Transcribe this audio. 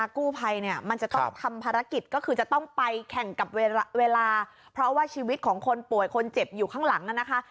กู้ภัยเนี่ยมันจะต้องทำภารกิจก็คือจะต้องไปแข่งกับเวลาเพราะว่าชีวิตของคนป่วยคนเจ็บอยู่ข้างหลังนะคะ